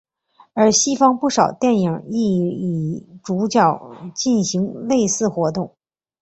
而西方不少电影亦以主角进行类似活动。